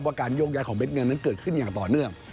การโยกย้ายของเด็ดเงินนั้นเกิดขึ้นอย่างต่อเนื่อง